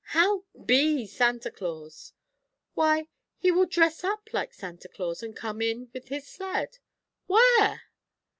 "How, be Santa Claus?" "Why, he will dress up like Santa Claus, and come in with his sled." "Where?"